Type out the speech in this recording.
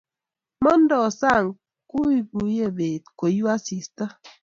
Mangdoi sang' kuikuie beet koyuu asista